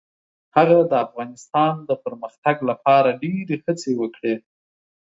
هغه د افغانستان د پرمختګ لپاره ډیرې هڅې وکړې.